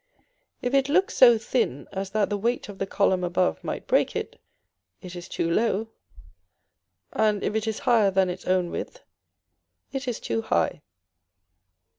If it looks so thin as that the weight of the column above might break it, it is too low; and if it is higher than its own width, it is too high.